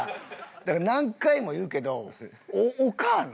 だから何回も言うけどおかあなんよ。